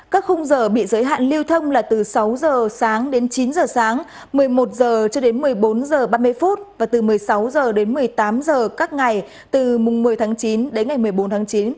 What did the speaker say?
các khung giờ bị giới hạn lưu thông là từ sáu giờ sáng đến chín giờ sáng một mươi một giờ cho đến một mươi bốn giờ ba mươi phút và từ một mươi sáu giờ đến một mươi tám giờ các ngày từ mùng một mươi tháng chín đến ngày một mươi bốn tháng chín